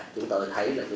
chúng tôi thấy là như vậy